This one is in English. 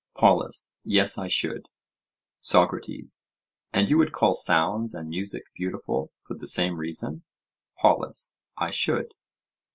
POLUS: Yes, I should. SOCRATES: And you would call sounds and music beautiful for the same reason? POLUS: I should.